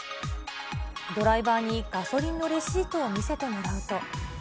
ドライバーにガソリンのレシートを見せてもらうと。